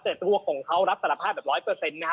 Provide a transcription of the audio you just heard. แต่ตัวของเขารับสารภาพแบบร้อยเปอร์เซ็นต์นะฮะ